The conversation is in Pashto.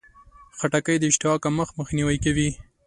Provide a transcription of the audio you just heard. خټکی د اشتها کمښت مخنیوی کوي.